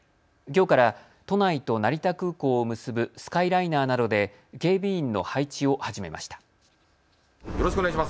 きょうから都内と成田空港を結ぶスカイライナーなどで警備員の配置を始めました。